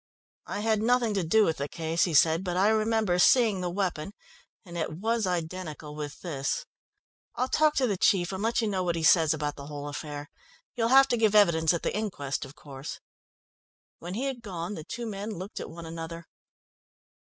"I had nothing to do with the case," he said, "but I remember seeing the weapon, and it was identical with this. I'll talk to the chief and let you know what he says about the whole affair. You'll have to give evidence at the inquest of course." When he had gone the two men looked at one another.